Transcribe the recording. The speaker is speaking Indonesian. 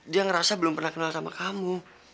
dia ngerasa belum pernah kenal sama kamu